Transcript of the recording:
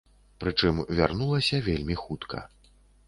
Прычым вярнулася вельмі хутка.